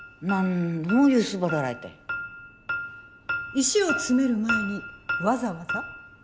石を詰める前にわざわざ？